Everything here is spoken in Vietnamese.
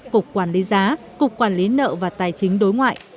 cục quản lý giá cục quản lý nợ và tài chính đối ngoại